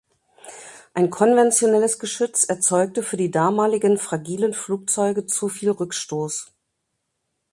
Ein konventionelles Geschütz erzeugte für die damaligen fragilen Flugzeuge zu viel Rückstoß.